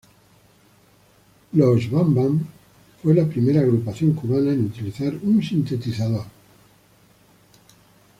Los Van Van fue la primera agrupación cubana en utilizar un sintetizador.